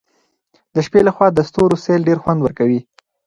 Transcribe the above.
د شپې له خوا د ستورو سیل ډېر خوند ورکوي.